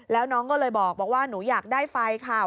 แล้วน้องก็เลยบอกว่าหนูอยากได้ไฟค่ะ